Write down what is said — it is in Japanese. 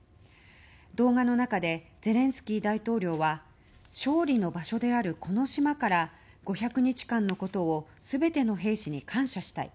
動画の中でゼレンスキー大統領は勝利の場所であるこの島から５００日間のことを全ての兵士に感謝したい。